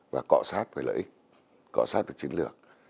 và cọ sát với lợi ích cọ sát về chiến lược